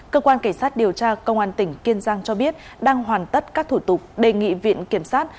cơ quan cảnh sát điều tra công an tỉnh kiên giang cho biết đang hoàn tất các thủ tục đề nghị viện kiểm sát